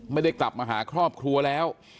ไม่ได้กลับมาหาครอบครัวแล้ว